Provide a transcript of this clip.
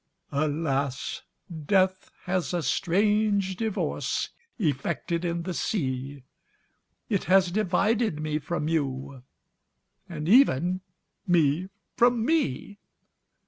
"Alas! death has a strange divorce Effected in the sea, It has divided me from you, And even me from me!